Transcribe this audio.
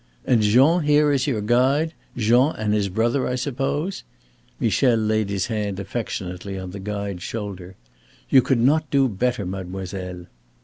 "And Jean here is your guide. Jean and his brother, I suppose?" Michel laid his hand affectionately on the guide's shoulder. "You could not do better, mademoiselle."